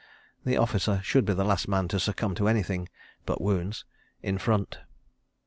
... The officer should be the last man to succumb to anything—but wounds—in front. .